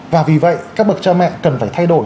và vì vậy các bậc cha mẹ cần phải thay đổi